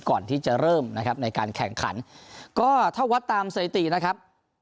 ก่อนที่จะเริ่มนะครับในการแข่งขันก็ถ้าวัดตามสถิตินะครับ